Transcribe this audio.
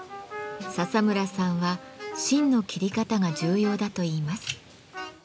笹村さんは芯の切り方が重要だといいます。